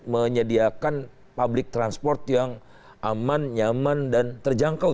menyediakan public transport yang aman nyaman dan terjangkau